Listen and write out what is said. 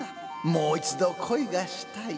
「もう一度恋がしたい」。